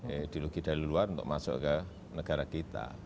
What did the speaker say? ideologi dari luar untuk masuk ke negara kita